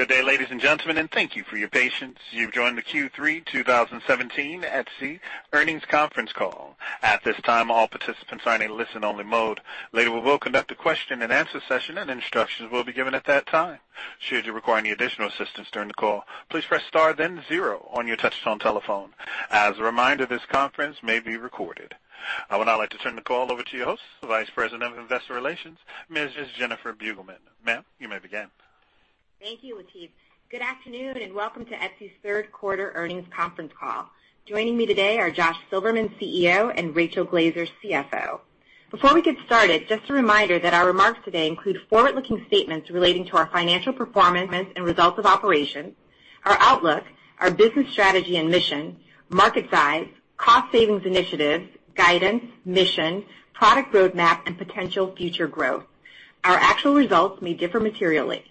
Good day, ladies and gentlemen, and thank you for your patience. You've joined the Q3 2017 Etsy earnings conference call. At this time, all participants are in a listen-only mode. Later, we will conduct a question-and-answer session, and instructions will be given at that time. Should you require any additional assistance during the call, please press star then zero on your touch-tone telephone. As a reminder, this conference may be recorded. I would now like to turn the call over to your host, Vice President of Investor Relations, Deb Wasser. Ma'am, you may begin. Thank you, Lateef. Good afternoon, and welcome to Etsy's third quarter earnings conference call. Joining me today are Josh Silverman, CEO, and Rachel Glaser, CFO. Before we get started, just a reminder that our remarks today include forward-looking statements relating to our financial performance and results of operations, our outlook, our business strategy and mission, market size, cost savings initiatives, guidance, mission, product roadmap, and potential future growth. Our actual results may differ materially.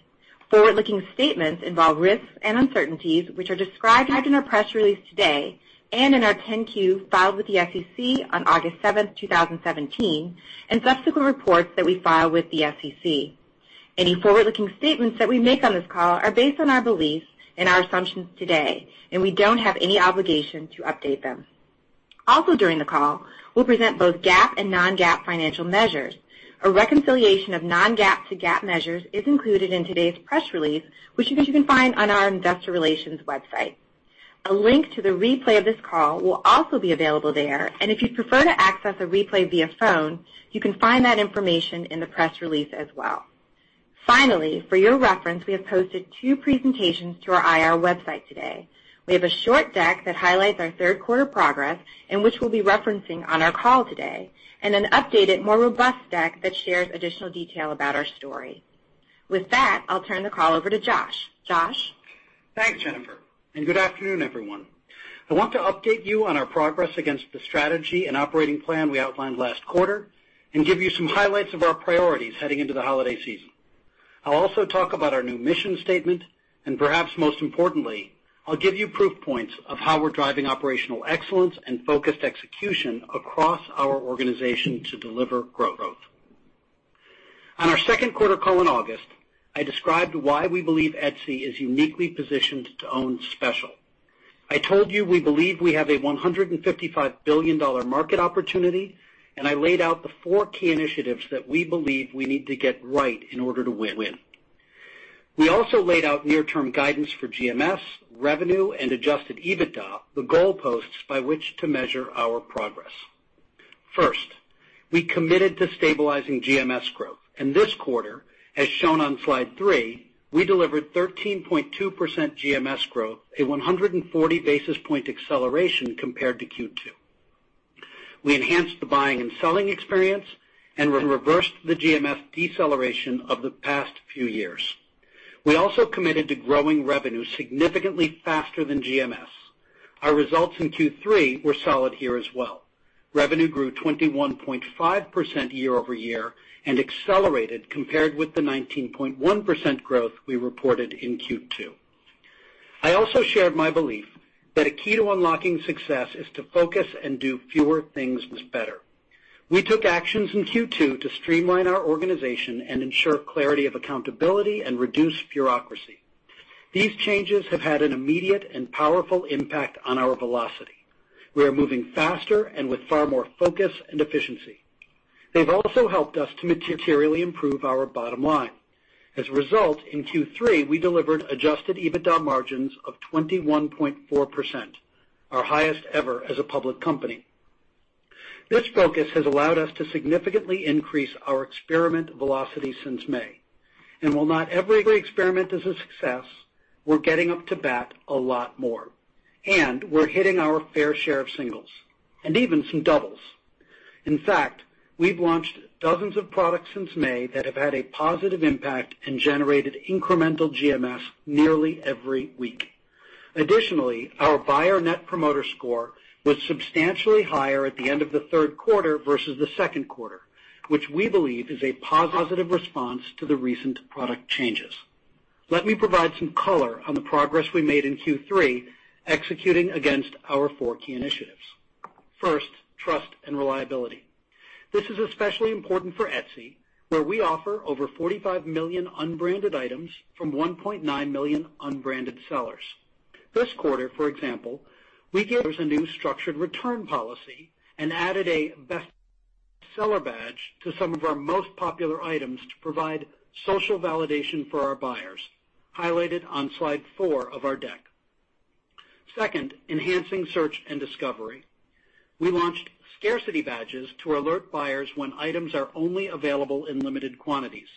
Forward-looking statements involve risks and uncertainties, which are described in our press release today and in our 10-Q filed with the SEC on August 7th, 2017, and subsequent reports that we file with the SEC. Any forward-looking statements that we make on this call are based on our beliefs and our assumptions today, and we don't have any obligation to update them. Also, during the call, we'll present both GAAP and non-GAAP financial measures. A reconciliation of non-GAAP to GAAP measures is included in today's press release, which you can find on our investor relations website. A link to the replay of this call will also be available there. If you'd prefer to access a replay via phone, you can find that information in the press release as well. Finally, for your reference, we have posted two presentations to our IR website today. We have a short deck that highlights our third quarter progress and which we'll be referencing on our call today, and an updated, more robust deck that shares additional detail about our story. With that, I'll turn the call over to Josh. Josh? Thanks, Deb, and good afternoon, everyone. I want to update you on our progress against the strategy and operating plan we outlined last quarter and give you some highlights of our priorities heading into the holiday season. I'll also talk about our new mission statement, and perhaps most importantly, I'll give you proof points of how we're driving operational excellence and focused execution across our organization to deliver growth. On our second quarter call in August, I described why we believe Etsy is uniquely positioned to own special. I told you we believe we have a $155 billion market opportunity, and I laid out the four key initiatives that we believe we need to get right in order to win. We also laid out near-term guidance for GMS, revenue, and adjusted EBITDA, the goalposts by which to measure our progress. First, we committed to stabilizing GMS growth. This quarter, as shown on slide three, we delivered 13.2% GMS growth, a 140 basis point acceleration compared to Q2. We enhanced the buying and selling experience and reversed the GMS deceleration of the past few years. We also committed to growing revenue significantly faster than GMS. Our results in Q3 were solid here as well. Revenue grew 21.5% year-over-year and accelerated compared with the 19.1% growth we reported in Q2. I also shared my belief that a key to unlocking success is to focus and do fewer things better. We took actions in Q2 to streamline our organization and ensure clarity of accountability and reduce bureaucracy. These changes have had an immediate and powerful impact on our velocity. We are moving faster and with far more focus and efficiency. They've also helped us to materially improve our bottom line. As a result, in Q3, we delivered adjusted EBITDA margins of 21.4%, our highest ever as a public company. This focus has allowed us to significantly increase our experiment velocity since May. While not every experiment is a success, we're getting up to bat a lot more, and we're hitting our fair share of singles and even some doubles. In fact, we've launched dozens of products since May that have had a positive impact and generated incremental GMS nearly every week. Additionally, our buyer net promoter score was substantially higher at the end of the third quarter versus the second quarter, which we believe is a positive response to the recent product changes. Let me provide some color on the progress we made in Q3 executing against our four key initiatives. First, trust and reliability. This is especially important for Etsy, where we offer over 45 million unbranded items from 1.9 million unbranded sellers. This quarter, for example, we gave sellers a new structured return policy and added a best seller badge to some of our most popular items to provide social validation for our buyers, highlighted on slide four of our deck. Second, enhancing search and discovery. We launched scarcity badges to alert buyers when items are only available in limited quantities.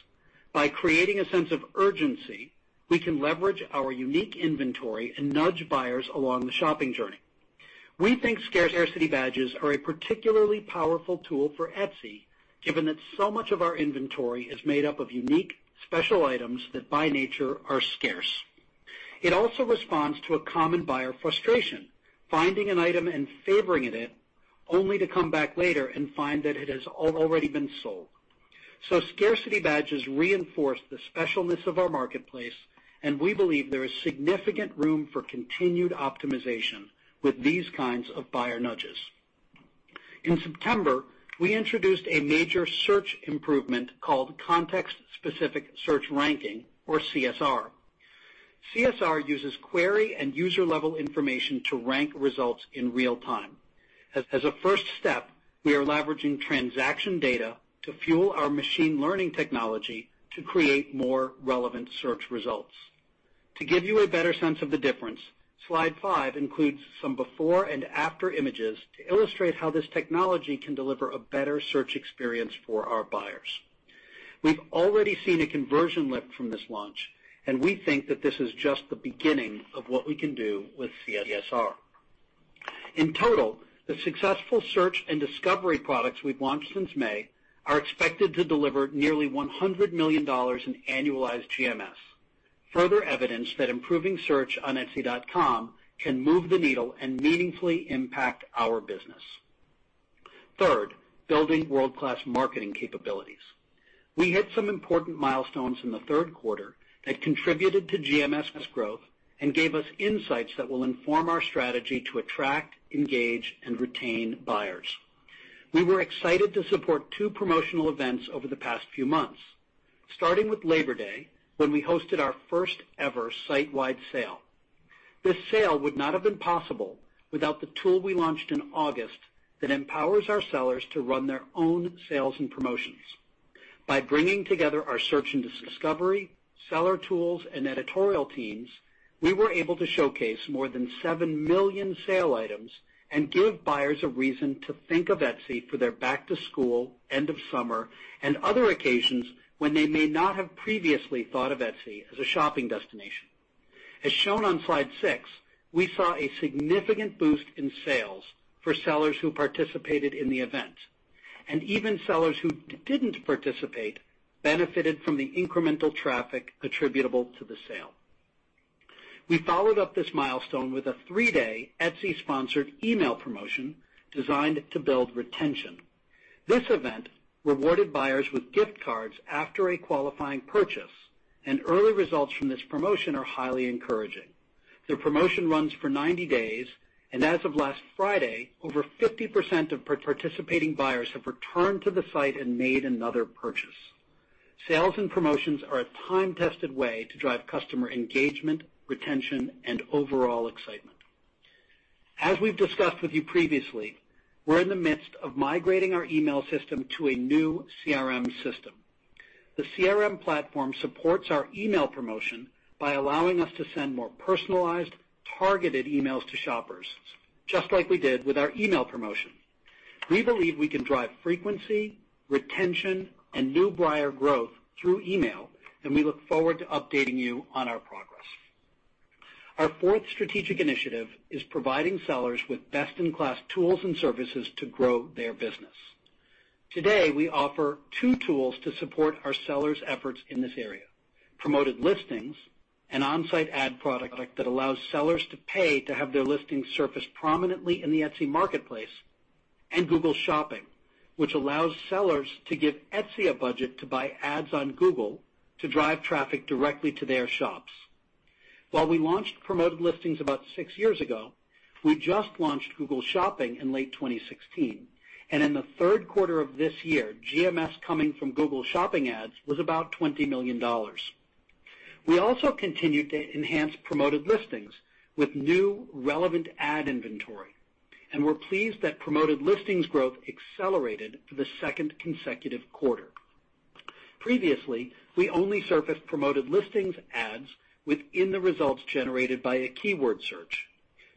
By creating a sense of urgency, we can leverage our unique inventory and nudge buyers along the shopping journey. We think scarcity badges are a particularly powerful tool for Etsy, given that so much of our inventory is made up of unique, special items that by nature are scarce. It also responds to a common buyer frustration, finding an item and favoring it, only to come back later and find that it has already been sold. Scarcity badges reinforce the specialness of our marketplace. We believe there is significant room for continued optimization with these kinds of buyer nudges. In September, we introduced a major search improvement called context specific search ranking, or CSR. CSR uses query and user level information to rank results in real time. As a first step, we are leveraging transaction data to fuel our machine learning technology to create more relevant search results. To give you a better sense of the difference, slide five includes some before and after images to illustrate how this technology can deliver a better search experience for our buyers. We've already seen a conversion lift from this launch. We think that this is just the beginning of what we can do with CSR. In total, the successful search and discovery products we've launched since May are expected to deliver nearly $100 million in annualized GMS. Further evidence that improving search on etsy.com can move the needle and meaningfully impact our business. Third, building world-class marketing capabilities. We hit some important milestones in the third quarter that contributed to GMS growth and gave us insights that will inform our strategy to attract, engage, and retain buyers. We were excited to support two promotional events over the past few months, starting with Labor Day, when we hosted our first ever site-wide sale. This sale would not have been possible without the tool we launched in August that empowers our sellers to run their own sales and promotions. By bringing together our search and discovery, seller tools, and editorial teams, we were able to showcase more than seven million sale items and give buyers a reason to think of Etsy for their back to school, end of summer, and other occasions when they may not have previously thought of Etsy as a shopping destination. As shown on slide six, we saw a significant boost in sales for sellers who participated in the event. Even sellers who didn't participate benefited from the incremental traffic attributable to the sale. We followed up this milestone with a three-day Etsy sponsored email promotion designed to build retention. This event rewarded buyers with gift cards after a qualifying purchase. Early results from this promotion are highly encouraging. The promotion runs for 90 days. As of last Friday, over 50% of participating buyers have returned to the site and made another purchase. Sales and promotions are a time tested way to drive customer engagement, retention, overall excitement. As we've discussed with you previously, we're in the midst of migrating our email system to a new CRM system. The CRM platform supports our email promotion by allowing us to send more personalized, targeted emails to shoppers, just like we did with our email promotion. We believe we can drive frequency, retention, and new buyer growth through email. We look forward to updating you on our progress. Our fourth strategic initiative is providing sellers with best in class tools and services to grow their business. Today, we offer two tools to support our sellers efforts in this area, Promoted Listings, an on-site ad product that allows sellers to pay to have their listings surface prominently in the Etsy marketplace. Google Shopping, which allows sellers to give Etsy a budget to buy ads on Google to drive traffic directly to their shops. While we launched Promoted Listings about six years ago, we just launched Google Shopping in late 2016. In the third quarter of this year, GMS coming from Google Shopping ads was about $20 million. We also continued to enhance Promoted Listings with new relevant ad inventory. We're pleased that Promoted Listings growth accelerated for the second consecutive quarter. Previously, we only surfaced Promoted Listings ads within the results generated by a keyword search.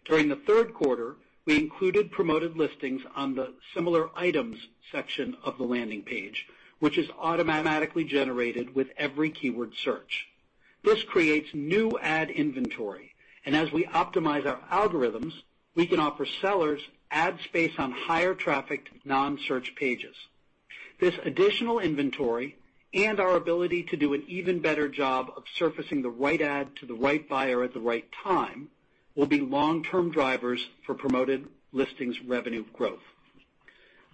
During the third quarter, we included Promoted Listings on the similar items section of the landing page, which is automatically generated with every keyword search. This creates new ad inventory, and as we optimize our algorithms, we can offer sellers ad space on higher trafficked non-search pages. This additional inventory and our ability to do an even better job of surfacing the right ad to the right buyer at the right time will be long-term drivers for Promoted Listings revenue growth.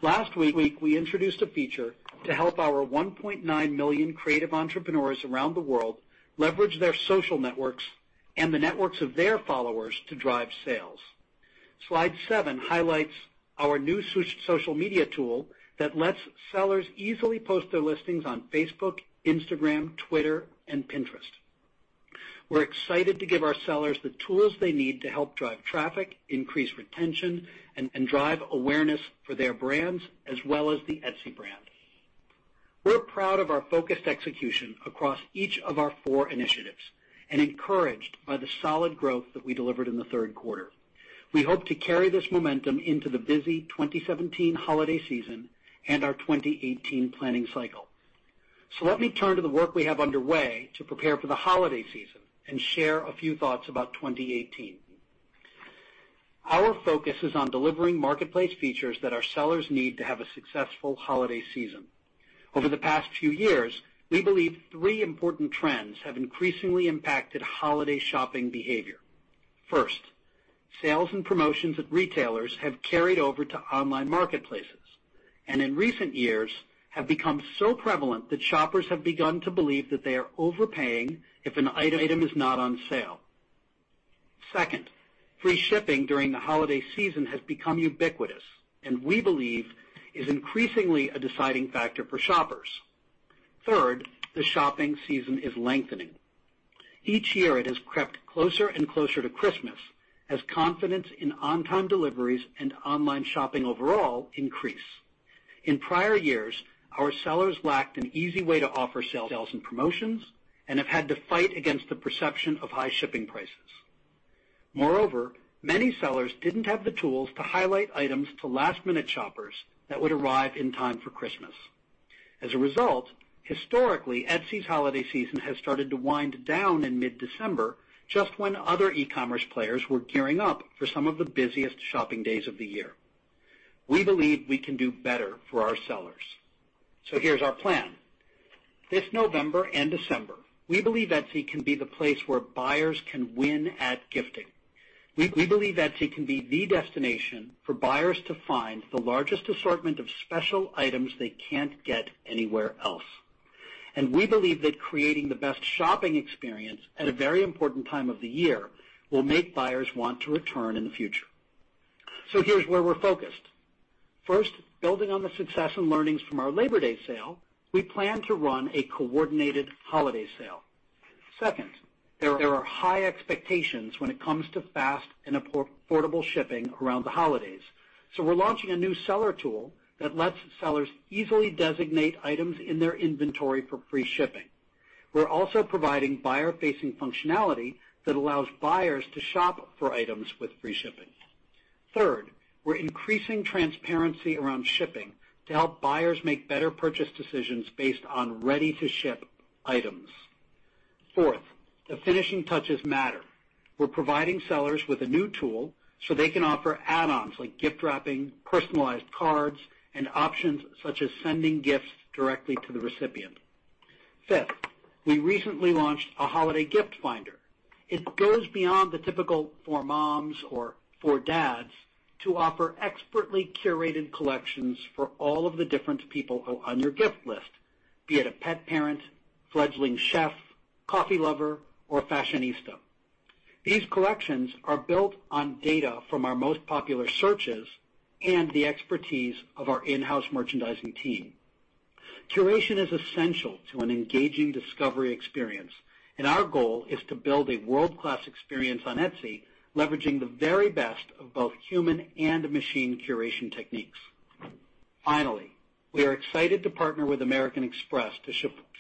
Last week, we introduced a feature to help our 1.9 million creative entrepreneurs around the world leverage their social networks and the networks of their followers to drive sales. Slide seven highlights our new social media tool that lets sellers easily post their listings on Facebook, Instagram, Twitter, and Pinterest. We're excited to give our sellers the tools they need to help drive traffic, increase retention, and drive awareness for their brands, as well as the Etsy brand. We're proud of our focused execution across each of our four initiatives, and encouraged by the solid growth that we delivered in the third quarter. We hope to carry this momentum into the busy 2017 holiday season and our 2018 planning cycle. Let me turn to the work we have underway to prepare for the holiday season and share a few thoughts about 2018. Our focus is on delivering marketplace features that our sellers need to have a successful holiday season. Over the past few years, we believe three important trends have increasingly impacted holiday shopping behavior. First, sales and promotions at retailers have carried over to online marketplaces, and in recent years have become so prevalent that shoppers have begun to believe that they are overpaying if an item is not on sale. Second, free shipping during the holiday season has become ubiquitous, and we believe is increasingly a deciding factor for shoppers. Third, the shopping season is lengthening. Each year, it has crept closer and closer to Christmas as confidence in on-time deliveries and online shopping overall increase. In prior years, our sellers lacked an easy way to offer sales and promotions, and have had to fight against the perception of high shipping prices. Moreover, many sellers didn't have the tools to highlight items to last-minute shoppers that would arrive in time for Christmas. As a result, historically, Etsy's holiday season has started to wind down in mid-December, just when other e-commerce players were gearing up for some of the busiest shopping days of the year. We believe we can do better for our sellers. Here's our plan. This November and December, we believe Etsy can be the place where buyers can win at gifting. We believe Etsy can be the destination for buyers to find the largest assortment of special items they can't get anywhere else. We believe that creating the best shopping experience at a very important time of the year will make buyers want to return in the future. Here's where we're focused. First, building on the success and learnings from our Labor Day sale, we plan to run a coordinated holiday sale. Second, there are high expectations when it comes to fast and affordable shipping around the holidays. We're launching a new seller tool that lets sellers easily designate items in their inventory for free shipping. We're also providing buyer-facing functionality that allows buyers to shop for items with free shipping. Third, we're increasing transparency around shipping to help buyers make better purchase decisions based on ready-to-ship items. Fourth, the finishing touches matter. We're providing sellers with a new tool so they can offer add-ons like gift wrapping, personalized cards, and options such as sending gifts directly to the recipient. Fifth, we recently launched a holiday gift finder. It goes beyond the typical for moms or for dads to offer expertly curated collections for all of the different people on your gift list, be it a pet parent, fledgling chef, coffee lover, or fashionista. These collections are built on data from our most popular searches and the expertise of our in-house merchandising team. Our goal is to build a world-class experience on Etsy, leveraging the very best of both human and machine curation techniques. Finally, we are excited to partner with American Express to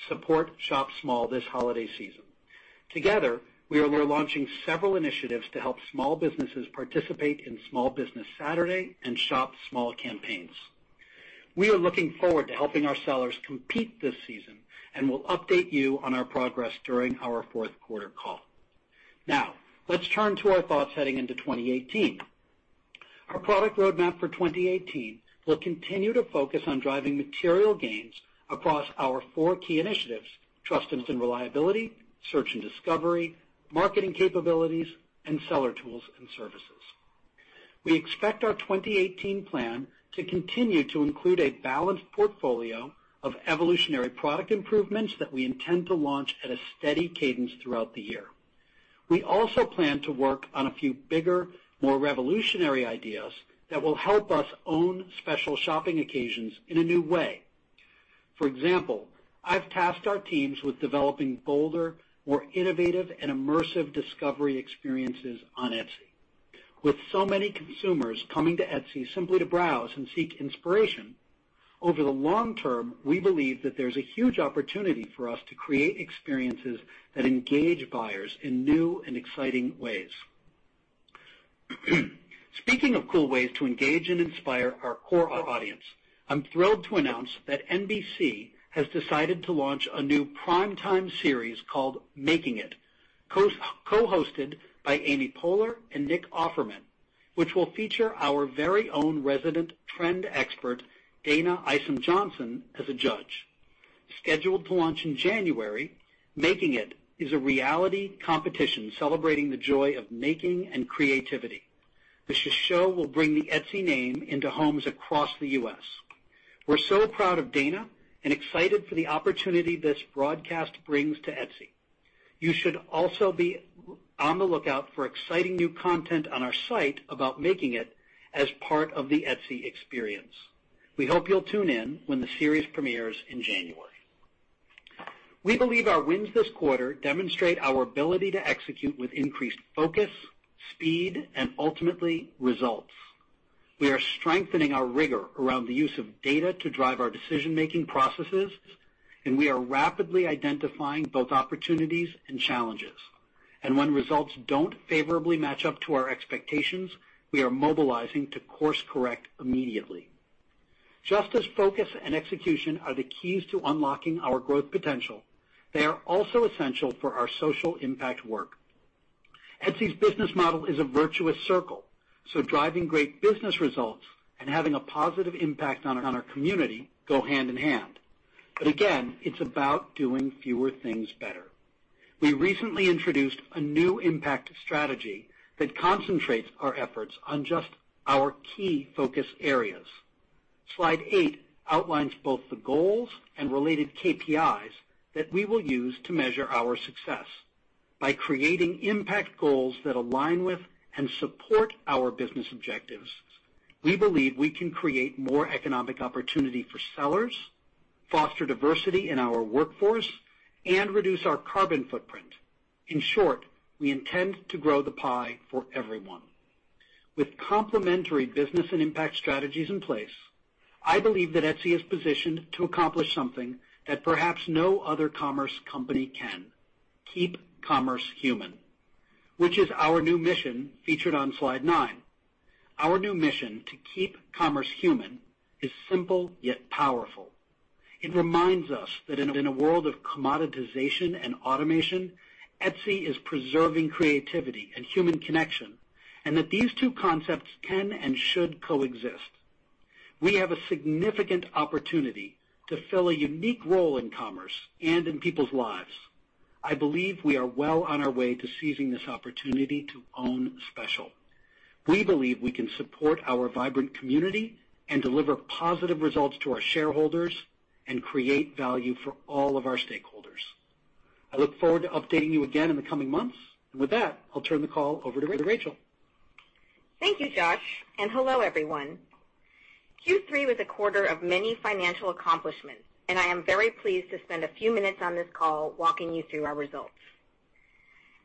support Shop Small this holiday season. Together, we are launching several initiatives to help small businesses participate in Small Business Saturday and Shop Small campaigns. We are looking forward to helping our sellers compete this season. We'll update you on our progress during our fourth quarter call. Let's turn to our thoughts heading into 2018. Our product roadmap for 2018 will continue to focus on driving material gains across our four key initiatives, trust and reliability, search and discovery, marketing capabilities, and seller tools and services. We expect our 2018 plan to continue to include a balanced portfolio of evolutionary product improvements that we intend to launch at a steady cadence throughout the year. We also plan to work on a few bigger, more revolutionary ideas that will help us own special shopping occasions in a new way. For example, I've tasked our teams with developing bolder, more innovative, and immersive discovery experiences on Etsy. With so many consumers coming to Etsy simply to browse and seek inspiration, over the long term, we believe that there's a huge opportunity for us to create experiences that engage buyers in new and exciting ways. Speaking of cool ways to engage and inspire our core audience, I'm thrilled to announce that NBC has decided to launch a new prime time series called "Making It," co-hosted by Amy Poehler and Nick Offerman, which will feature our very own resident trend expert, Dayna Isom Johnson, as a judge. Scheduled to launch in January, "Making It" is a reality competition celebrating the joy of making and creativity. This show will bring the Etsy name into homes across the U.S. We're so proud of Dayna and excited for the opportunity this broadcast brings to Etsy. You should also be on the lookout for exciting new content on our site about "Making It" as part of the Etsy experience. We hope you'll tune in when the series premieres in January. We believe our wins this quarter demonstrate our ability to execute with increased focus, speed, and ultimately, results. We are strengthening our rigor around the use of data to drive our decision-making processes, and we are rapidly identifying both opportunities and challenges. When results don't favorably match up to our expectations, we are mobilizing to course correct immediately. Just as focus and execution are the keys to unlocking our growth potential, they are also essential for our social impact work. Etsy's business model is a virtuous circle, so driving great business results and having a positive impact on our community go hand in hand. Again, it's about doing fewer things better. We recently introduced a new impact strategy that concentrates our efforts on just our key focus areas. Slide eight outlines both the goals and related KPIs that we will use to measure our success. By creating impact goals that align with and support our business objectives, we believe we can create more economic opportunity for sellers, foster diversity in our workforce, and reduce our carbon footprint. In short, we intend to grow the pie for everyone. With complementary business and impact strategies in place, I believe that Etsy is positioned to accomplish something that perhaps no other commerce company can, keep commerce human, which is our new mission featured on slide nine. Our new mission, to keep commerce human, is simple, yet powerful. It reminds us that in a world of commoditization and automation, Etsy is preserving creativity and human connection, and that these two concepts can and should coexist. We have a significant opportunity to fill a unique role in commerce and in people's lives. I believe we are well on our way to seizing this opportunity to own special. We believe we can support our vibrant community and deliver positive results to our shareholders and create value for all of our stakeholders. I look forward to updating you again in the coming months. With that, I'll turn the call over to Rachel. Thank you, Josh, and hello, everyone. Q3 was a quarter of many financial accomplishments, and I am very pleased to spend a few minutes on this call walking you through our results.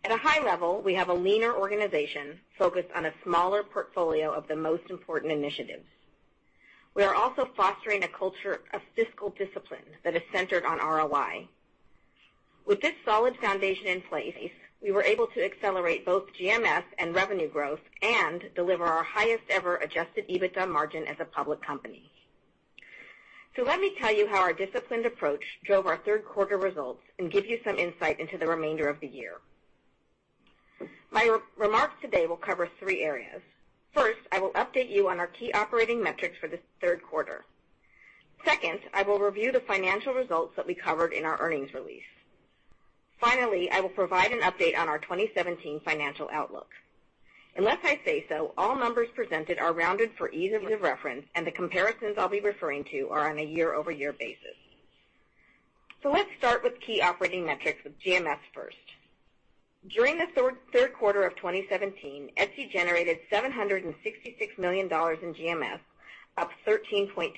At a high level, we have a leaner organization focused on a smaller portfolio of the most important initiatives. We are also fostering a culture of fiscal discipline that is centered on ROI. With this solid foundation in place, we were able to accelerate both GMS and revenue growth and deliver our highest ever adjusted EBITDA margin as a public company. Let me tell you how our disciplined approach drove our third quarter results and give you some insight into the remainder of the year. My remarks today will cover three areas. First, I will update you on our key operating metrics for this third quarter. Second, I will review the financial results that we covered in our earnings release. Finally, I will provide an update on our 2017 financial outlook. Unless I say so, all numbers presented are rounded for ease of reference, and the comparisons I'll be referring to are on a year-over-year basis. Let's start with key operating metrics with GMS first. During the third quarter of 2017, Etsy generated $766 million in GMS, up 13.2%.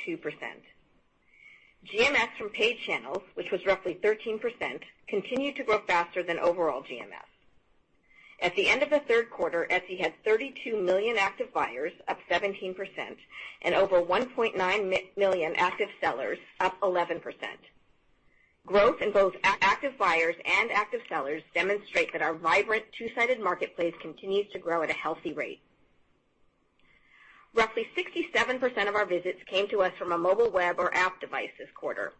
GMS from paid channels, which was roughly 13%, continued to grow faster than overall GMS. At the end of the third quarter, Etsy had 32 million active buyers, up 17%, and over 1.9 million active sellers, up 11%. Growth in both active buyers and active sellers demonstrate that our vibrant two-sided marketplace continues to grow at a healthy rate. Roughly 67% of our visits came to us from a mobile web or app device this quarter.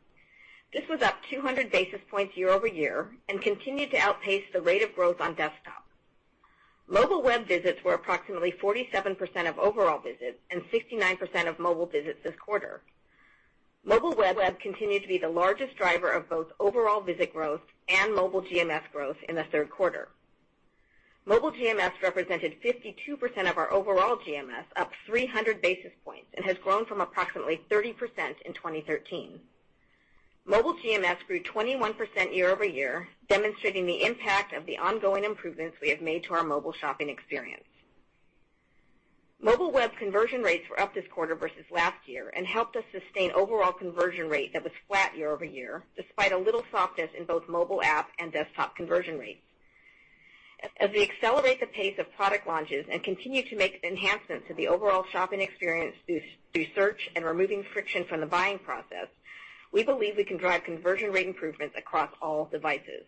This was up 200 basis points year-over-year and continued to outpace the rate of growth on desktop. Mobile web visits were approximately 47% of overall visits and 69% of mobile visits this quarter. Mobile web continued to be the largest driver of both overall visit growth and mobile GMS growth in the third quarter. Mobile GMS represented 52% of our overall GMS, up 300 basis points, and has grown from approximately 30% in 2013. Mobile GMS grew 21% year-over-year, demonstrating the impact of the ongoing improvements we have made to our mobile shopping experience. Mobile web conversion rates were up this quarter versus last year and helped us sustain overall conversion rate that was flat year-over-year, despite a little softness in both mobile app and desktop conversion rates. As we accelerate the pace of product launches and continue to make enhancements to the overall shopping experience through search and removing friction from the buying process, we believe we can drive conversion rate improvements across all devices.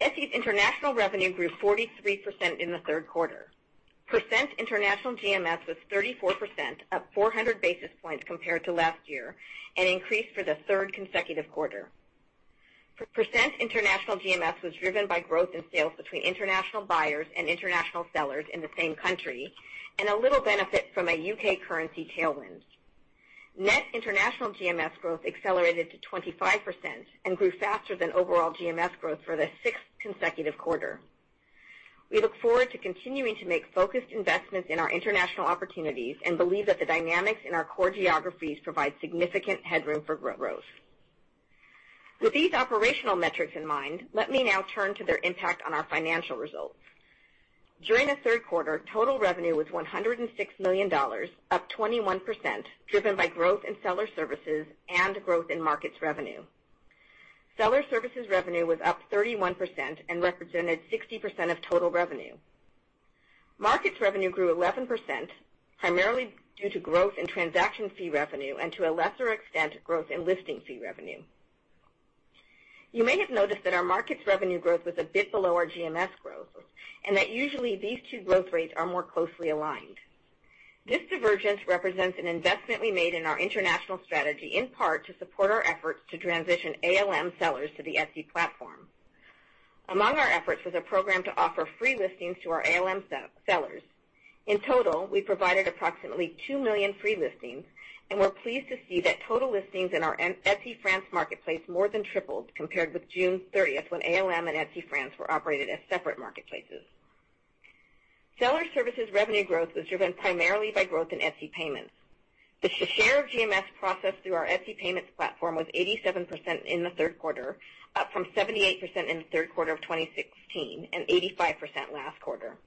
Etsy's international revenue grew 43% in the third quarter. Percent international GMS was 34%, up 400 basis points compared to last year, and increased for the third consecutive quarter. Percent international GMS was driven by growth in sales between international buyers and international sellers in the same country, and a little benefit from a U.K. currency tailwind. Net international GMS growth accelerated to 25% and grew faster than overall GMS growth for the sixth consecutive quarter. We look forward to continuing to make focused investments in our international opportunities and believe that the dynamics in our core geographies provide significant headroom for growth. With these operational metrics in mind, let me now turn to their impact on our financial results. During the third quarter, total revenue was $106 million, up 21%, driven by growth in Seller Services and growth in Markets revenue. Seller Services revenue was up 31% and represented 60% of total revenue. Markets revenue grew 11%, primarily due to growth in transaction fee revenue and, to a lesser extent, growth in listing fee revenue. You may have noticed that our Markets revenue growth was a bit below our GMS growth, and that usually these two growth rates are more closely aligned. This divergence represents an investment we made in our international strategy, in part to support our efforts to transition ALM sellers to the Etsy platform. Among our efforts was a program to offer free listings to our ALM sellers. In total, we provided approximately 2 million free listings, and we're pleased to see that total listings in our Etsy France marketplace more than tripled compared with June 30th, when ALM and Etsy France were operated as separate marketplaces. Seller Services revenue growth was driven primarily by growth in Etsy Payments. The share of GMS processed through our Etsy Payments platform was 87% in the third quarter, up from 78% in the third quarter of 2016 and 85% last quarter.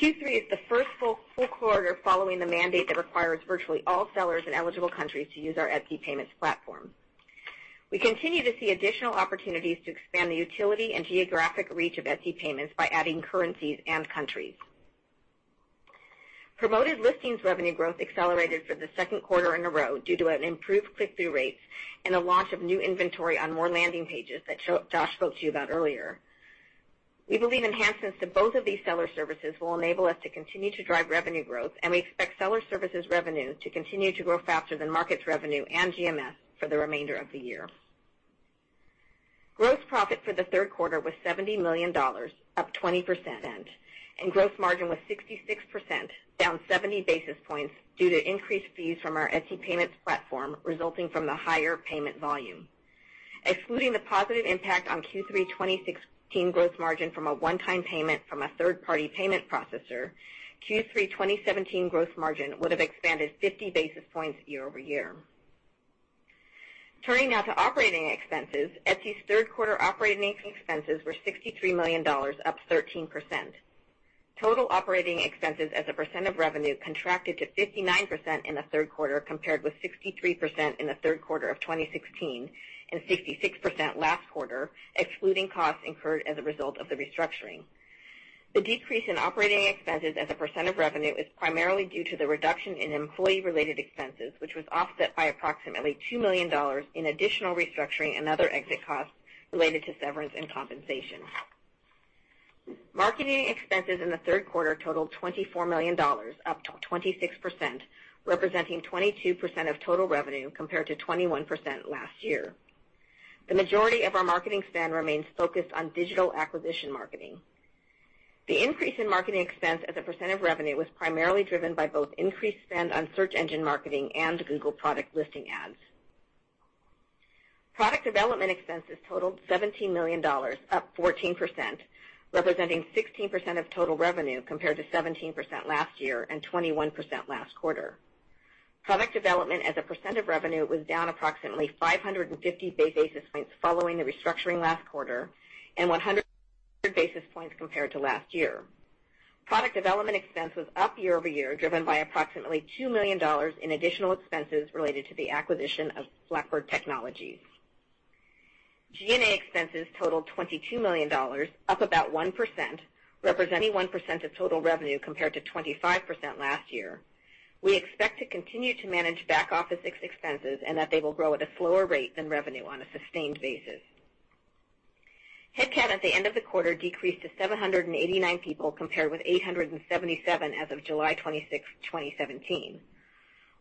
Q3 is the first full quarter following the mandate that requires virtually all sellers in eligible countries to use our Etsy Payments platform. We continue to see additional opportunities to expand the utility and geographic reach of Etsy Payments by adding currencies and countries. Promoted Listings revenue growth accelerated for the second quarter in a row due to improved click-through rates and the launch of new inventory on more landing pages that Josh spoke to you about earlier. We believe enhancements to both of these Seller Services will enable us to continue to drive revenue growth, and we expect Seller Services revenue to continue to grow faster than Markets revenue and GMS for the remainder of the year. Gross profit for the third quarter was $70 million, up 20%, and gross margin was 66%, down 70 basis points due to increased fees from our Etsy Payments platform, resulting from the higher payment volume. Excluding the positive impact on Q3 2016 gross margin from a one-time payment from a third-party payment processor, Q3 2017 gross margin would have expanded 50 basis points year-over-year. Turning now to operating expenses, Etsy's third quarter operating expenses were $63 million, up 13%. Total operating expenses as a percent of revenue contracted to 59% in the third quarter, compared with 63% in the third quarter of 2016 and 66% last quarter, excluding costs incurred as a result of the restructuring. The decrease in operating expenses as a percent of revenue is primarily due to the reduction in employee-related expenses, which was offset by approximately $2 million in additional restructuring and other exit costs related to severance and compensation. Marketing expenses in the third quarter totaled $24 million, up 26%, representing 22% of total revenue compared to 21% last year. The majority of our marketing spend remains focused on digital acquisition marketing. The increase in marketing expense as a percent of revenue was primarily driven by both increased spend on search engine marketing and Google Product Listing Ads. Product development expenses totaled $17 million, up 14%, representing 16% of total revenue, compared to 17% last year and 21% last quarter. Product development as a percent of revenue was down approximately 550 basis points following the restructuring last quarter and 100 basis points compared to last year. Product development expense was up year-over-year, driven by approximately $2 million in additional expenses related to the acquisition of Blackbird Technologies. G&A expenses totaled $22 million, up about 1%, representing 1% of total revenue compared to 25% last year. We expect to continue to manage back-office expenses and that they will grow at a slower rate than revenue on a sustained basis. Headcount at the end of the quarter decreased to 789 people, compared with 877 as of July 26th, 2017.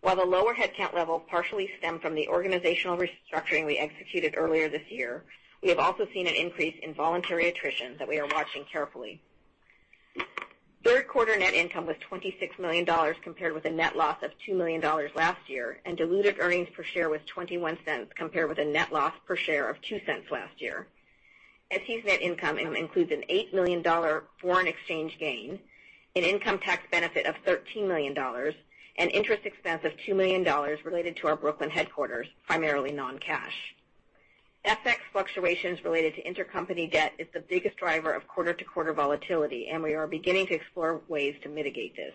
While the lower headcount level partially stemmed from the organizational restructuring we executed earlier this year, we have also seen an increase in voluntary attrition that we are watching carefully. Third quarter net income was $26 million, compared with a net loss of $2 million last year, and diluted earnings per share was $0.21, compared with a net loss per share of $0.02 last year. Etsy's net income includes an $8 million foreign exchange gain, an income tax benefit of $13 million, and interest expense of $2 million related to our Brooklyn headquarters, primarily non-cash. FX fluctuations related to intercompany debt is the biggest driver of quarter-to-quarter volatility, and we are beginning to explore ways to mitigate this.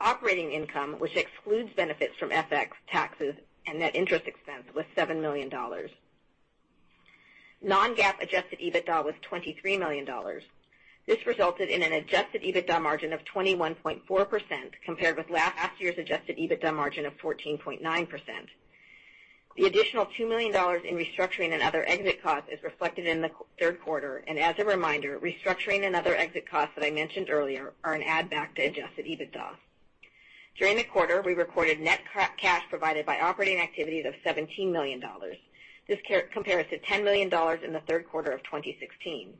Operating income, which excludes benefits from FX taxes and net interest expense, was $7 million. Non-GAAP adjusted EBITDA was $23 million. This resulted in an adjusted EBITDA margin of 21.4%, compared with last year's adjusted EBITDA margin of 14.9%. The additional $2 million in restructuring and other exit costs is reflected in the third quarter. As a reminder, restructuring and other exit costs that I mentioned earlier are an add back to adjusted EBITDA. During the quarter, we recorded net cash provided by operating activities of $17 million. This compares to $10 million in the third quarter of 2016.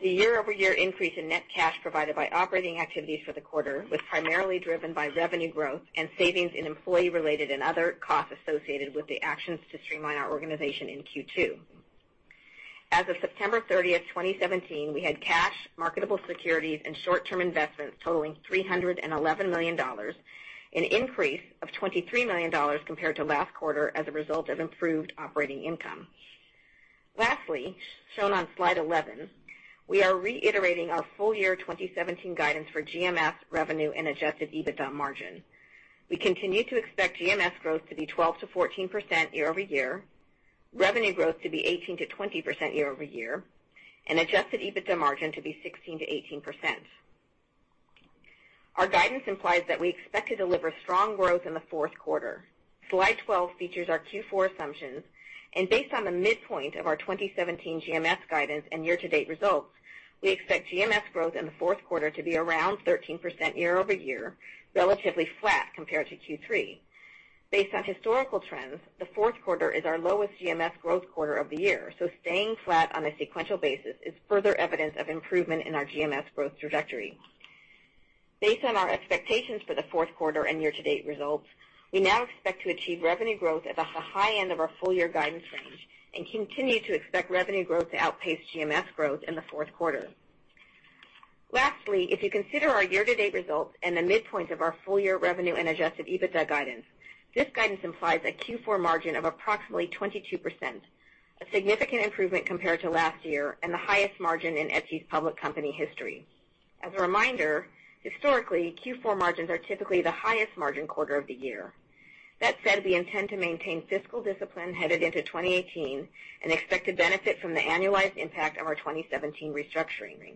The year-over-year increase in net cash provided by operating activities for the quarter was primarily driven by revenue growth and savings in employee-related and other costs associated with the actions to streamline our organization in Q2. As of September 30th, 2017, we had cash, marketable securities, and short-term investments totaling $311 million, an increase of $23 million compared to last quarter as a result of improved operating income. Lastly, shown on slide 11, we are reiterating our full year 2017 guidance for GMS revenue and adjusted EBITDA margin. We continue to expect GMS growth to be 12%-14% year-over-year, revenue growth to be 18%-20% year-over-year, and adjusted EBITDA margin to be 16%-18%. Our guidance implies that we expect to deliver strong growth in the fourth quarter. Slide 12 features our Q4 assumptions. Based on the midpoint of our 2017 GMS guidance and year-to-date results, we expect GMS growth in the fourth quarter to be around 13% year-over-year, relatively flat compared to Q3. Based on historical trends, the fourth quarter is our lowest GMS growth quarter of the year, so staying flat on a sequential basis is further evidence of improvement in our GMS growth trajectory. Based on our expectations for the fourth quarter and year-to-date results, we now expect to achieve revenue growth at the high end of our full-year guidance range and continue to expect revenue growth to outpace GMS growth in the fourth quarter. Lastly, if you consider our year-to-date results and the midpoint of our full-year revenue and adjusted EBITDA guidance, this guidance implies a Q4 margin of approximately 22%, a significant improvement compared to last year, and the highest margin in Etsy's public company history. As a reminder, historically, Q4 margins are typically the highest margin quarter of the year. That said, we intend to maintain fiscal discipline headed into 2018 and expect to benefit from the annualized impact of our 2017 restructuring.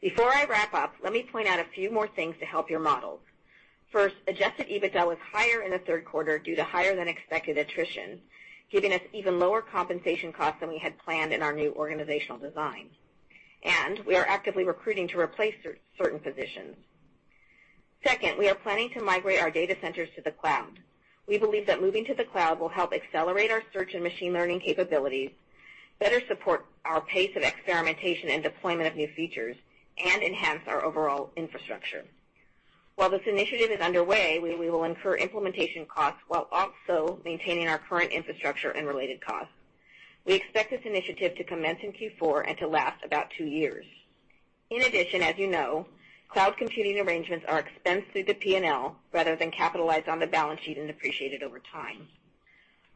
Before I wrap up, let me point out a few more things to help your models. Adjusted EBITDA was higher in the third quarter due to higher than expected attrition, giving us even lower compensation costs than we had planned in our new organizational design. We are actively recruiting to replace certain positions. We are planning to migrate our data centers to the cloud. We believe that moving to the cloud will help accelerate our search and machine learning capabilities, better support our pace of experimentation and deployment of new features, and enhance our overall infrastructure. While this initiative is underway, we will incur implementation costs while also maintaining our current infrastructure and related costs. We expect this initiative to commence in Q4 and to last about two years. In addition, as you know, cloud computing arrangements are expensed through the P&L rather than capitalized on the balance sheet and depreciated over time.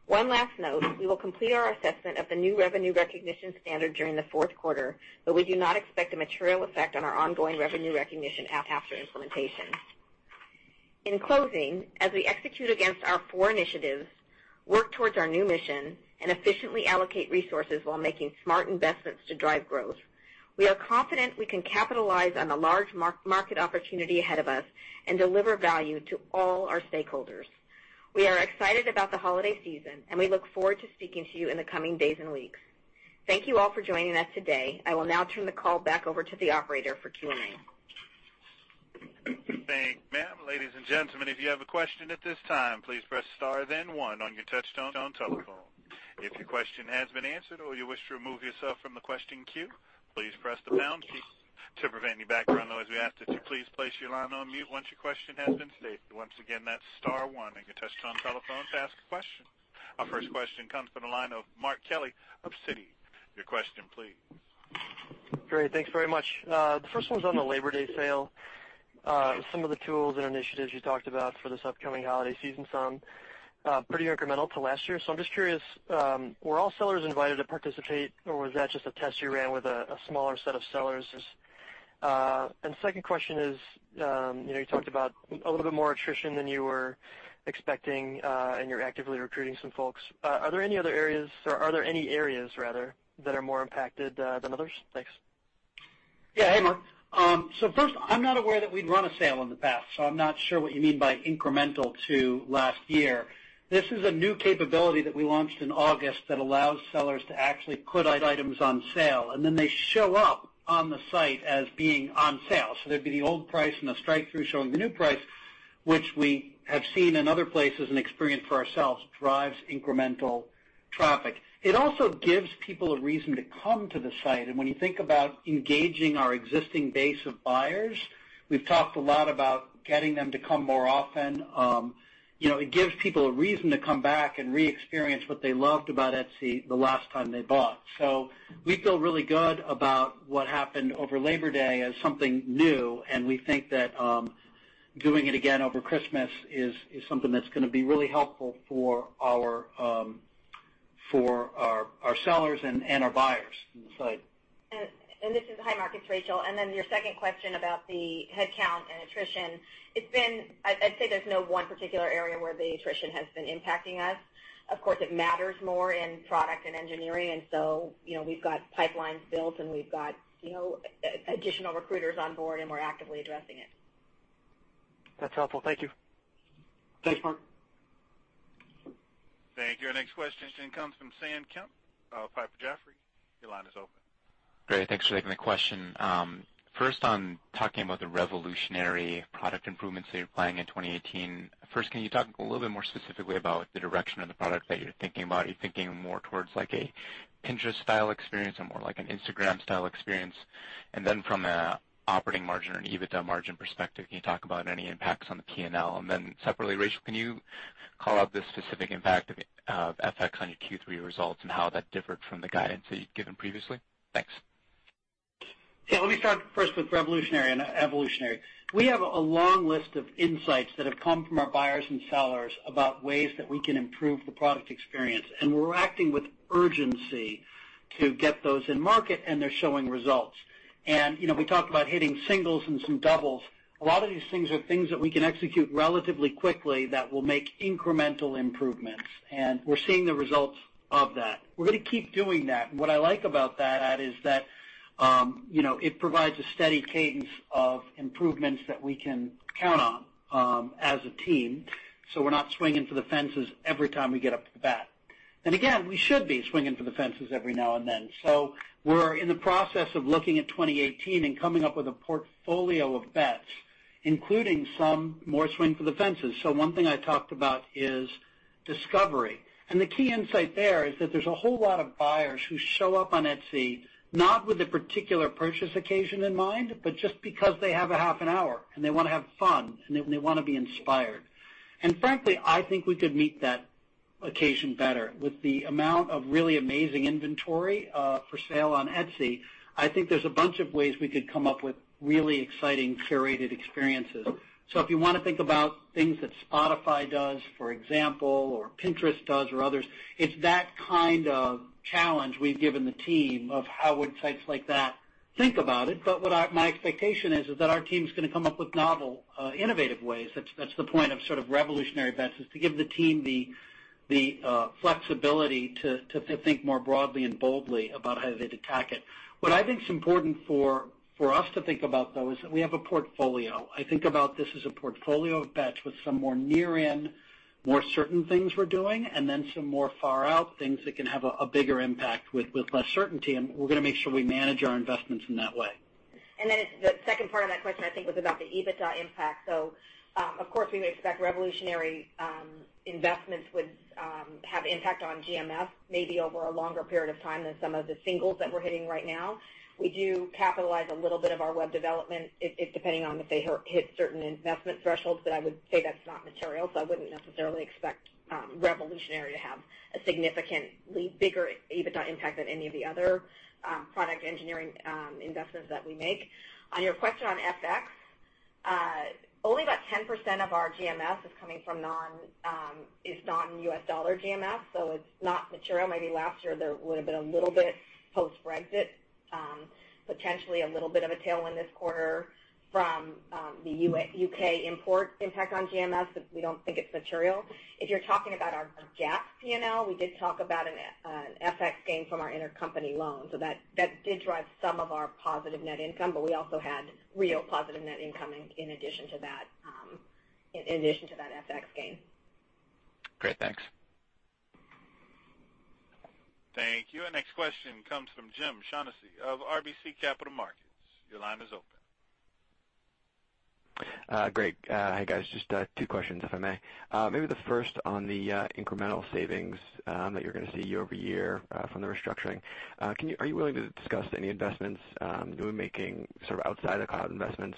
One last note, we will complete our assessment of the new revenue recognition standard during the fourth quarter, but we do not expect a material effect on our ongoing revenue recognition after implementation. In closing, as we execute against our four initiatives, work towards our new mission, and efficiently allocate resources while making smart investments to drive growth, we are confident we can capitalize on the large market opportunity ahead of us and deliver value to all our stakeholders. We are excited about the holiday season, we look forward to speaking to you in the coming days and weeks. Thank you all for joining us today. I will now turn the call back over to the operator for Q&A. Thank you, ma'am. Ladies and gentlemen, if you have a question at this time, please press star then one on your touch-tone telephone. If your question has been answered or you wish to remove yourself from the question queue, please press the pound key. To prevent any background noise, we ask that you please place your line on mute once your question has been stated. Once again, that's star one on your touch-tone telephone to ask a question. Our first question comes from the line of Mark Kelley of Citi. Your question please. Great. Thanks very much. The first one's on the Labor Day sale. Some of the tools and initiatives you talked about for this upcoming holiday season sound pretty incremental to last year. I'm just curious, were all sellers invited to participate, or was that just a test you ran with a smaller set of sellers? Second question is, you talked about a little bit more attrition than you were expecting, and you're actively recruiting some folks. Are there any areas that are more impacted than others? Thanks. Hey, Mark. First, I'm not aware that we'd run a sale in the past, so I'm not sure what you mean by incremental to last year. This is a new capability that we launched in August that allows sellers to actually put items on sale, and then they show up on the site as being on sale. There'd be the old price and the strike-through showing the new price, which we have seen in other places and experienced for ourselves, drives incremental traffic. It also gives people a reason to come to the site. When you think about engaging our existing base of buyers, we've talked a lot about getting them to come more often. It gives people a reason to come back and re-experience what they loved about Etsy the last time they bought. We feel really good about what happened over Labor Day as something new, and we think that doing it again over Christmas is something that's going to be really helpful for our sellers and our buyers on the site. Hi, Mark, it's Rachel. Your second question about the headcount and attrition. I'd say there's no one particular area where the attrition has been impacting us. Of course, it matters more in product and engineering, and so, we've got pipelines built, and we've got additional recruiters on board, and we're actively addressing it. That's helpful. Thank you. Thanks, Mark. Thank you. Our next question comes from Samuel Kemp of Piper Jaffray. Your line is open. Great. Thanks for taking the question. First, on talking about the revolutionary product improvements that you're planning in 2018. First, can you talk a little bit more specifically about the direction of the product that you're thinking about? Are you thinking more towards a Pinterest-style experience or more like an Instagram-style experience? From an operating margin or an EBITDA margin perspective, can you talk about any impacts on the P&L? Separately, Rachel, can you call out the specific impact of FX on your Q3 results and how that differed from the guidance that you'd given previously? Thanks. Yeah. Let me start first with revolutionary and evolutionary. We have a long list of insights that have come from our buyers and sellers about ways that we can improve the product experience, and we're acting with urgency to get those in market, and they're showing results. We talked about hitting singles and some doubles. A lot of these things are things that we can execute relatively quickly that will make incremental improvements, and we're seeing the results of that. We're going to keep doing that. What I like about that is that it provides a steady cadence of improvements that we can count on as a team, so we're not swinging for the fences every time we get up to the bat. Again, we should be swinging for the fences every now and then. We're in the process of looking at 2018 and coming up with a portfolio of bets including some more swing for the fences. One thing I talked about is discovery. The key insight there is that there's a whole lot of buyers who show up on Etsy, not with a particular purchase occasion in mind, but just because they have a half an hour, and they want to have fun, and they want to be inspired. Frankly, I think we could meet that occasion better. With the amount of really amazing inventory for sale on Etsy, I think there's a bunch of ways we could come up with really exciting curated experiences. If you want to think about things that Spotify does, for example, or Pinterest does, or others, it's that kind of challenge we've given the team of how would sites like that think about it. What my expectation is that our team's going to come up with novel, innovative ways. That's the point of sort of revolutionary bets, is to give the team the flexibility to think more broadly and boldly about how they'd attack it. What I think is important for us to think about, though, is that we have a portfolio. I think about this as a portfolio of bets with some more near-in, more certain things we're doing, some more far-out things that can have a bigger impact with less certainty, and we're going to make sure we manage our investments in that way. The second part of that question, I think, was about the EBITDA impact. Of course, we would expect revolutionary investments would have impact on GMS, maybe over a longer period of time than some of the singles that we're hitting right now. We do capitalize a little bit of our web development. It's depending on if they hit certain investment thresholds, but I would say that's not material, so I wouldn't necessarily expect revolutionary to have a significantly bigger EBITDA impact than any of the other product engineering investments that we make. On your question on FX, only about 10% of our GMS is non-U.S. dollar GMS, so it's not material. Maybe last year, there would've been a little bit post-Brexit, potentially a little bit of a tailwind this quarter from the U.K. import impact on GMS, but we don't think it's material. If you're talking about our GAAP P&L, we did talk about an FX gain from our intercompany loan, that did drive some of our positive net income, we also had real positive net income in addition to that FX gain. Great. Thanks. Thank you. Our next question comes from Mark Mahaney of RBC Capital Markets. Your line is open. Great. Hi, guys. Just two questions, if I may. Maybe the first on the incremental savings that you're going to see year-over-year from the restructuring. Are you willing to discuss any investments you'll be making sort of outside of cloud investments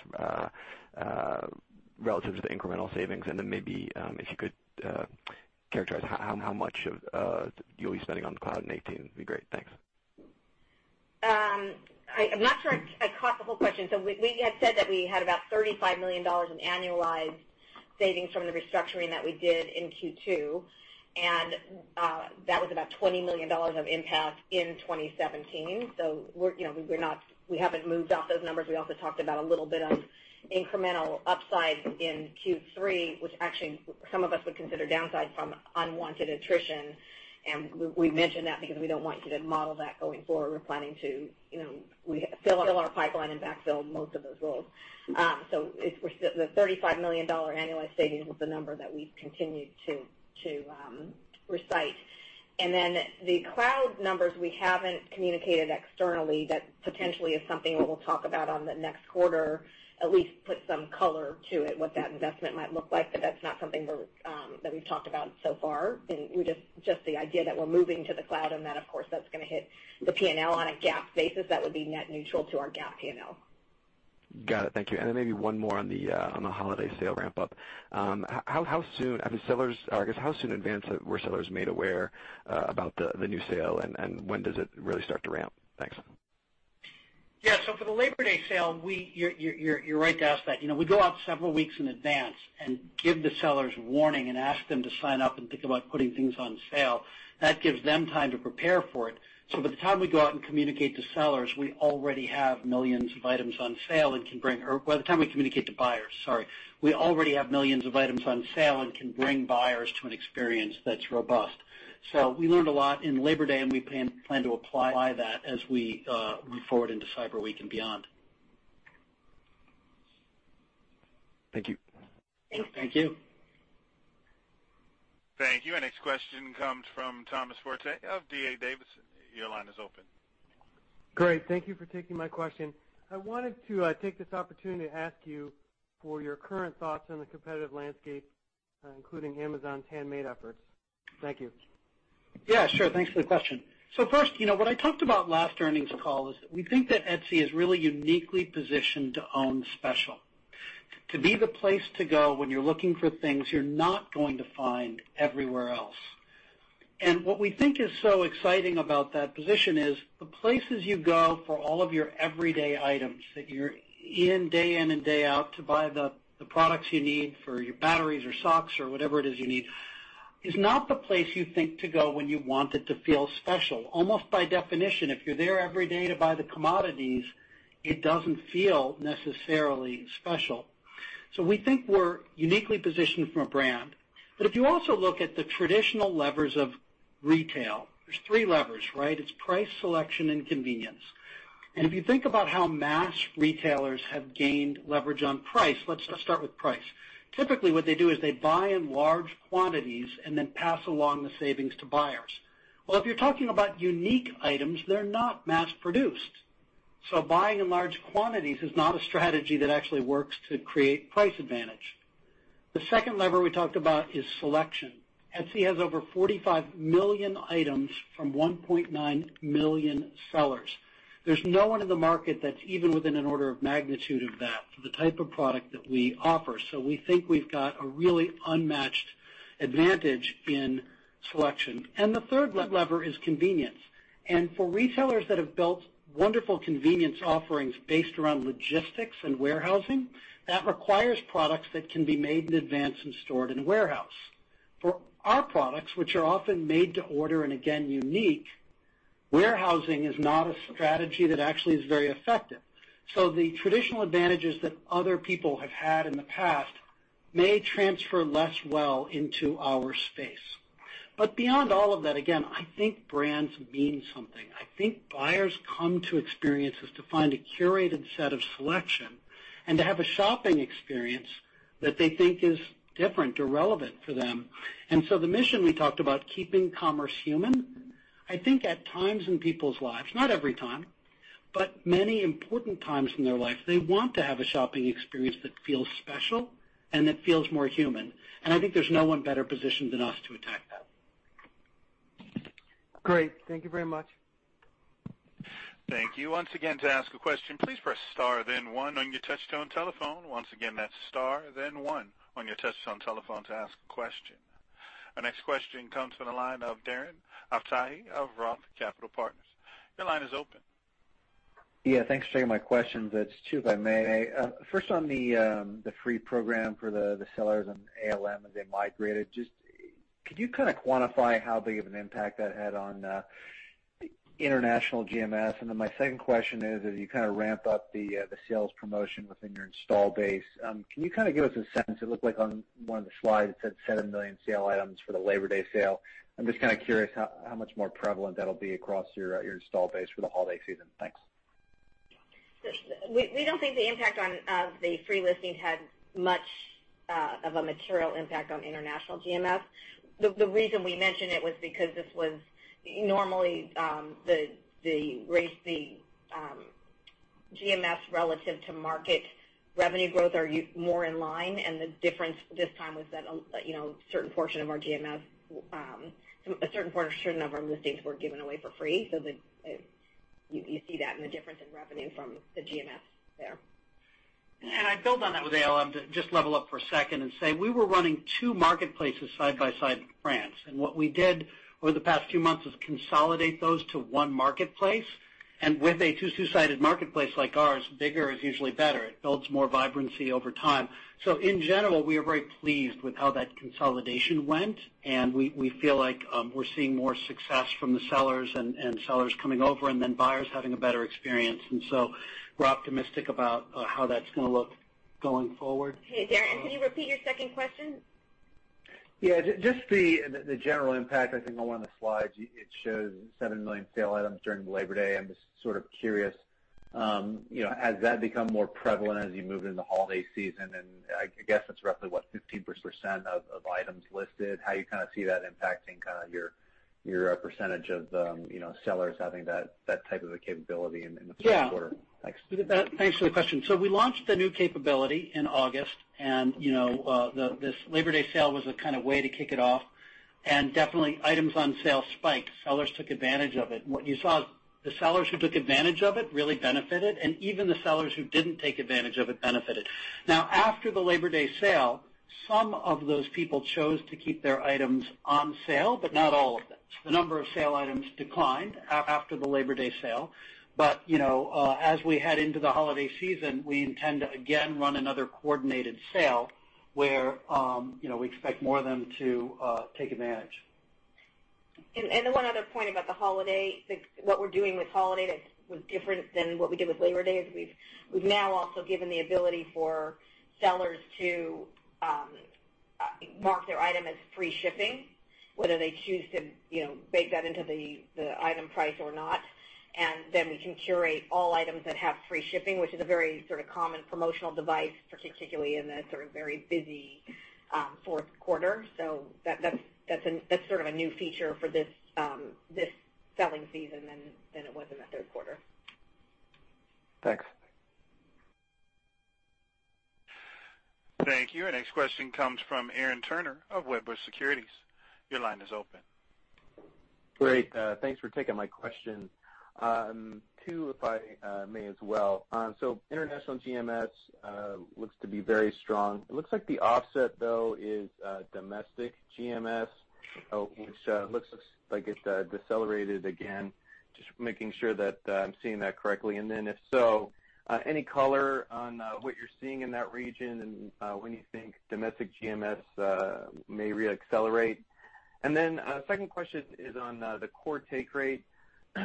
relative to the incremental savings? Then maybe if you could characterize how much you'll be spending on the cloud in 2018, it'd be great. Thanks. I'm not sure I caught the whole question. We had said that we had about $35 million in annualized savings from the restructuring that we did in Q2. That was about $20 million of impact in 2017. We haven't moved off those numbers. We also talked about a little bit of incremental upside in Q3, which actually some of us would consider downside from unwanted attrition. We mentioned that because we don't want you to model that going forward. We're planning to fill our pipeline and backfill most of those roles. The $35 million annualized savings was the number that we've continued to recite. Then the cloud numbers, we haven't communicated externally. That potentially is something that we'll talk about on the next quarter, at least put some color to it, what that investment might look like. That's not something that we've talked about so far. Just the idea that we're moving to the cloud, then, of course, that's going to hit the P&L on a GAAP basis, that would be net neutral to our GAAP P&L. Got it. Thank you. Then maybe one more on the holiday sale ramp-up. How soon in advance were sellers made aware about the new sale, and when does it really start to ramp? Thanks. Yeah. For the Labor Day sale, you're right to ask that. We go out several weeks in advance and give the sellers warning and ask them to sign up and think about putting things on sale. That gives them time to prepare for it. By the time we go out and communicate to sellers, we already have millions of items on sale. By the time we communicate to buyers, sorry, we already have millions of items on sale and can bring buyers to an experience that's robust. We learned a lot in Labor Day, and we plan to apply that as we move forward into Cyber Week and beyond. Thank you. Thank you. Thank you. Thank you. Our next question comes from Thomas Forte of D.A. Davidson. Your line is open. Great. Thank you for taking my question. I wanted to take this opportunity to ask you for your current thoughts on the competitive landscape, including Amazon's Handmade efforts. Thank you. First, what I talked about last earnings call is that we think that Etsy is really uniquely positioned to own special, to be the place to go when you're looking for things you're not going to find everywhere else. What we think is so exciting about that position is the places you go for all of your everyday items, that you're in day in and day out to buy the products you need for your batteries or socks or whatever it is you need, is not the place you think to go when you want it to feel special. Almost by definition, if you're there every day to buy the commodities, it doesn't feel necessarily special. We think we're uniquely positioned from a brand. But if you also look at the traditional levers of retail, there's three levers, right? It's price, selection, and convenience. If you think about how mass retailers have gained leverage on price, let's just start with price. Typically, what they do is they buy in large quantities and then pass along the savings to buyers. Well, if you're talking about unique items, they're not mass-produced. Buying in large quantities is not a strategy that actually works to create price advantage. The second lever we talked about is selection. Etsy has over 45 million items from 1.9 million sellers. There's no one in the market that's even within an order of magnitude of that for the type of product that we offer. We think we've got a really unmatched advantage in selection. The third lever is convenience. For retailers that have built wonderful convenience offerings based around logistics and warehousing, that requires products that can be made in advance and stored in a warehouse. For our products, which are often made to order, and again, unique, warehousing is not a strategy that actually is very effective. The traditional advantages that other people have had in the past may transfer less well into our space. Beyond all of that, again, I think brands mean something. I think buyers come to experiences to find a curated set of selection and to have a shopping experience that they think is different or relevant for them. The mission we talked about, keeping commerce human, I think at times in people's lives, not every time, but many important times in their life, they want to have a shopping experience that feels special and that feels more human. I think there's no one better positioned than us to attack that. Great. Thank you very much. Thank you. Once again, to ask a question, please press star then one on your touchtone telephone. Once again, that's star then one on your touchtone telephone to ask a question. Our next question comes from the line of Darren Aftahi of ROTH Capital Partners. Your line is open. Yeah, thanks for taking my questions. It's 2, if I may. First, on the free program for the sellers and ALM as they migrated, could you quantify how big of an impact that had on international GMS? My second question is, as you ramp up the sales promotion within your install base, can you give us a sense, it looked like on one of the slides, it said 7 million sale items for the Labor Day sale. I'm just curious how much more prevalent that'll be across your install base for the holiday season. Thanks. We don't think the impact on the free listings had much of a material impact on international GMS. The reason we mentioned it was because this was normally, the GMS relative to market revenue growth are more in line, and the difference this time was that a certain portion of our listings were given away for free. You see that in the difference in revenue from the GMS there. I'd build on that with ALM to just level up for a second and say, we were running two marketplaces side by side with France. What we did over the past 2 months is consolidate those to one marketplace. With a two-sided marketplace like ours, bigger is usually better. It builds more vibrancy over time. In general, we are very pleased with how that consolidation went, and we feel like we're seeing more success from the sellers and sellers coming over and then buyers having a better experience. We're optimistic about how that's going to look going forward. Hey, Darren, can you repeat your second question? Yeah. Just the general impact. I think on one of the slides, it shows 7 million sale items during Labor Day. I'm just sort of curious, has that become more prevalent as you move into the holiday season? I guess it's roughly what, 15% of items listed? How you see that impacting your percentage of sellers having that type of a capability in the fourth quarter. Yeah. Thanks. Thanks for the question. We launched the new capability in August, and this Labor Day sale was a kind of way to kick it off. Definitely items on sale spiked. Sellers took advantage of it. What you saw is the sellers who took advantage of it really benefited, and even the sellers who didn't take advantage of it benefited. Now, after the Labor Day sale, some of those people chose to keep their items on sale, but not all of them. The number of sale items declined after the Labor Day sale. As we head into the holiday season, we intend to again run another coordinated sale where we expect more of them to take advantage. One other point about the holiday, what we're doing with holiday that's different than what we did with Labor Day is we've now also given the ability for sellers to mark their item as free shipping, whether they choose to bake that into the item price or not. Then we can curate all items that have free shipping, which is a very sort of common promotional device, particularly in the sort of very busy fourth quarter. That's sort of a new feature for this selling season than it was in the third quarter. Thanks. Thank you. Our next question comes from Aaron Turner of Wedbush Securities. Your line is open. Great. Thanks for taking my question. Two, if I may as well. International GMS looks to be very strong. It looks like the offset, though, is domestic GMS, which looks like it decelerated again. Just making sure that I'm seeing that correctly. Then if so, any color on what you're seeing in that region and when you think domestic GMS may re-accelerate? Then second question is on the core take rate.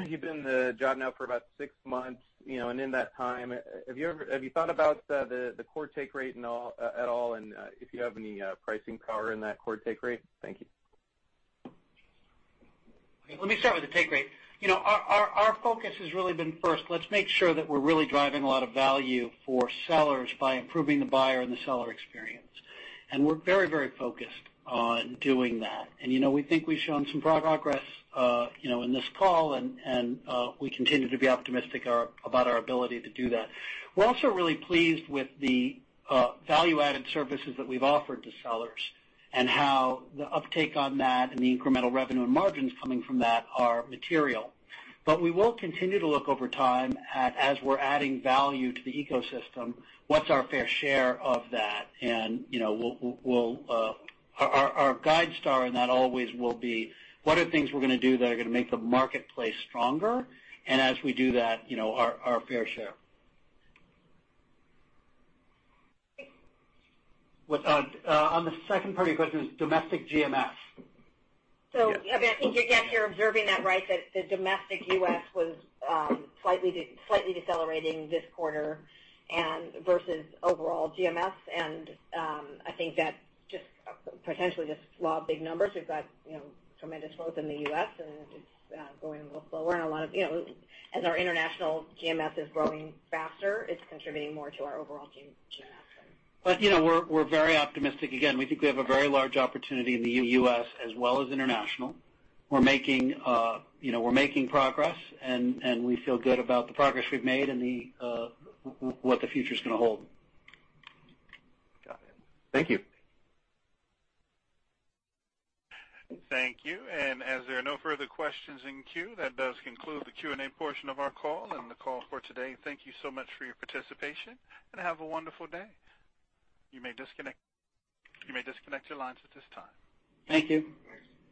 You've been in the job now for about six months, and in that time, have you thought about the core take rate at all, and if you have any pricing power in that core take rate? Thank you. Let me start with the take rate. Our focus has really been, first, let's make sure that we're really driving a lot of value for sellers by improving the buyer and the seller experience. We're very focused on doing that. We think we've shown some progress in this call, and we continue to be optimistic about our ability to do that. We're also really pleased with the value-added services that we've offered to sellers, and how the uptake on that and the incremental revenue and margins coming from that are material. We will continue to look over time at, as we're adding value to the ecosystem, what's our fair share of that. Our guide star in that always will be, what are the things we're going to do that are going to make the marketplace stronger? As we do that, our fair share. On the second part of your question is domestic GMS. I think, yes, you're observing that right, that the domestic U.S. was slightly decelerating this quarter versus overall GMS. I think that just potentially just law of big numbers. We've got tremendous growth in the U.S., and it's going a little slower. As our international GMS is growing faster, it's contributing more to our overall GMS. We're very optimistic. Again, we think we have a very large opportunity in the U.S. as well as international. We're making progress, and we feel good about the progress we've made and what the future is going to hold. Got it. Thank you. Thank you. As there are no further questions in queue, that does conclude the Q&A portion of our call and the call for today. Thank you so much for your participation, and have a wonderful day. You may disconnect your lines at this time. Thank you. Thanks.